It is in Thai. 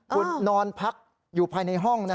คุณนอนพักอยู่ภายในห้องนะ